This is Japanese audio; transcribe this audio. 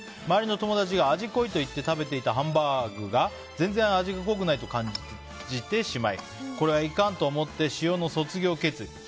周りの友達が味濃いと言って食べていたハンバーグが全然味が濃くないと感じてしまいこれはいかんと思って塩の卒業を決意。